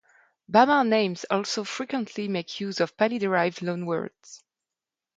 Bamar names also frequently make use of Pali-derived loan words.